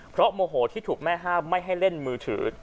เพราะโมโหที่ถูกแม่ห้ามไม่ให้เล่นมือถือ